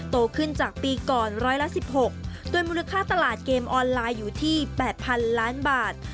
โตขึ้นจากปีก่อน๑๑๖โดยมูลค่าตลาดเกมออนไลน์อยู่ที่๘๐๐๐ล้านบาท